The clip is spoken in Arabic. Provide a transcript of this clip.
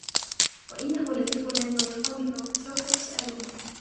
وَإِنَّهُ لَذِكْرٌ لَكَ وَلِقَوْمِكَ وَسَوْفَ تُسْأَلُونَ